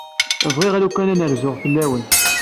Bɣiɣ lukan ad n-rzuɣ fell-awen.